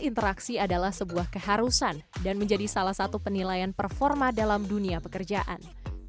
interaksi adalah sebuah keharusan dan menjadi salah satu penilaian performa dalam dunia pekerjaan